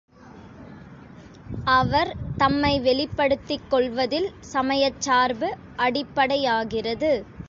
அவர் தம்மை வெளிப்படுத்திக் கொள்வதில் சமயச் சார்பு அடிப்படையாகிறது.